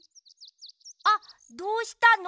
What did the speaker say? あっどうしたの？